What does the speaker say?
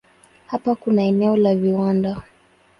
Hapa kuna eneo la viwanda.